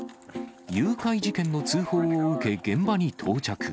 誘拐事件の通報を受け、現場に到着。